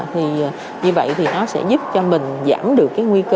thì như vậy thì nó sẽ giúp cho mình giảm được cái nguy cơ